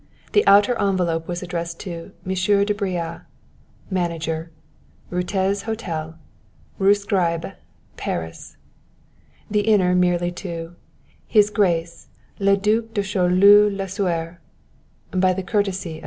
The outer envelope was addressed to M. de Brea, Manager, Ruttez Hotel, Rue Scribe, Paris; the inner merely to His Grace le Duc de Choleaux Lasuer (by the courtesy of M.